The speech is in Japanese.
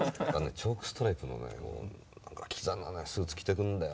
チョークストライプのねキザなスーツ着てくんだよ。